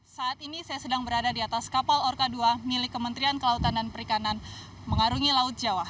saat ini saya sedang berada di atas kapal orka dua milik kementerian kelautan dan perikanan mengarungi laut jawa